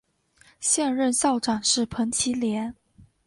现任校长是彭绮莲。